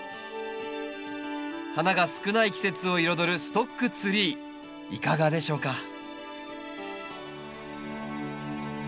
花が少ない季節を彩るストックツリーいかがでしょうか？